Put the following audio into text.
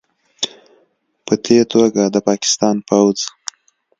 پدې توګه، د پاکستان پوځ